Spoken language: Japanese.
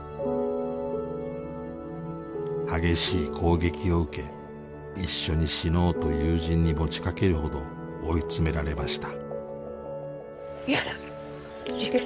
激しい攻撃を受け一緒に死のうと友人に持ちかけるほど追い詰められました。